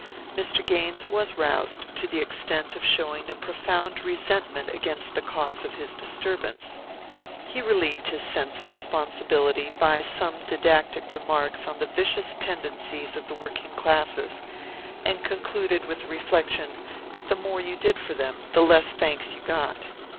Mr. Gaines was roused to the extent of showing a profound resentment against the cause of his disturbance. He relieved his sense of responsibility by some didactic remarks on the vicious tendencies of the working classes, and concluded with the reflection that the more you did for them the less thanks you got.